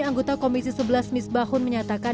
anggota komisi sebelas misbahun menyatakan